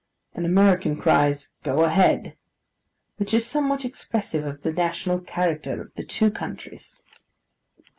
an American cries 'Go ahead!' which is somewhat expressive of the national character of the two countries.